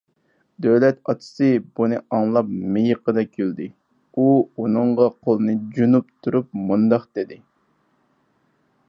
دۆلەت ئاتىسى بۇنى ئاڭلاپ مىيىقىدا كۈلدى. ئۇ ئۇنىڭغا قولىنى جۇنۇپ تۇرۇپ مۇنداق دېدى: